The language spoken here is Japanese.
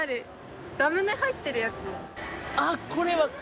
あっこれ！